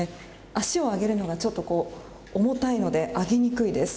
足を上げるのが、ちょっと重たいので上げにくいです。